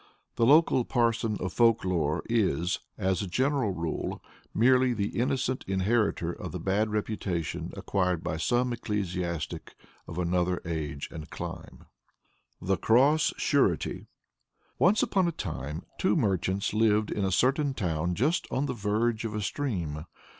The local parson of folk lore is, as a general rule, merely the innocent inheritor of the bad reputation acquired by some ecclesiastic of another age and clime. THE CROSS SURETY. Once upon a time two merchants lived in a certain town just on the verge of a stream.